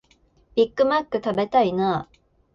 ビッグマック食べたいなあ